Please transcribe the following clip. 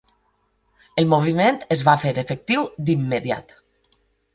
El moviment es va fer efectiu d'immediat.